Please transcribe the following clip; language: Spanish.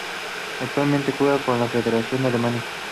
Actualmente juega con la federación de Alemania.